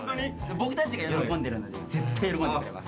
僕たちが喜んでるので絶対喜んでくれます。